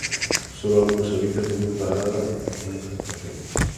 Sólo algunos servicios tienen parada en esta estación.